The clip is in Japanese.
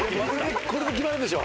これで決まるでしょう。